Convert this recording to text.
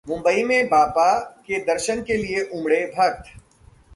मुंबई में बाप्पा के दर्शन के लिए उमड़े भक्त